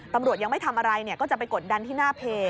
ตำรวจยังไม่ทำอะไรก็จะไปกดดันที่หน้าเพจ